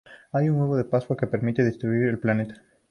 Hay un Huevo de Pascua que permite destruir al planeta.